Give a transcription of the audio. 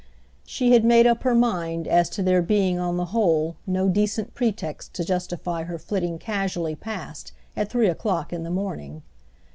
She had made up her mind as to there being on the whole no decent pretext to justify her flitting casually past at three o'clock in the morning.